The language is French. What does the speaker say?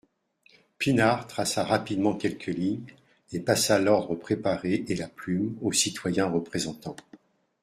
Pinard traça rapidement quelques lignes et passa l'ordre préparé et la plume au citoyen représentant.